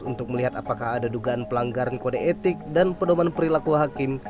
untuk melihat apakah ada dugaan pelanggaran kode etik dan pedoman perilaku hakim